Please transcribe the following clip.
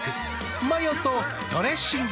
マヨとドレッシングで。